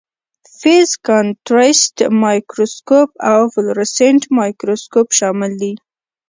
فیز کانټرسټ مایکروسکوپ او فلورسینټ مایکروسکوپ شامل دي.